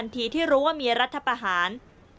ทีที่รู้ว่ามีรัฐประหาร